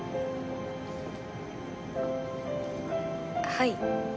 「はい」